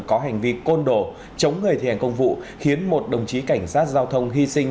có hành vi côn đổ chống người thi hành công vụ khiến một đồng chí cảnh sát giao thông hy sinh